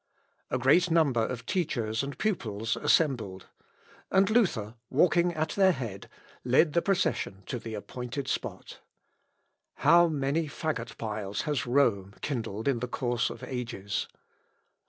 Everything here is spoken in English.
A great number of teachers and pupils assembled, and Luther, walking at their head, led the procession to the appointed spot. How many faggot piles has Rome kindled in the course of ages!